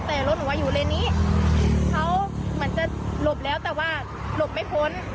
แต่รถหนูมาอยู่เลนนี้เขาเหมือนจะหลบแล้วแต่ว่าหลบไม่พ้น